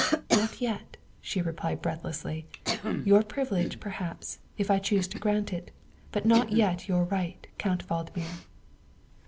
" Not yet," she replied breathlessly, " your privilege, perhaps, if I chose to grant it, but not yet your right, Count Valdmir."